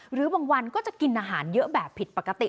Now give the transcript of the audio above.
หรือบางวันก็จะกินอาหารเยอะแบบผิดปกติ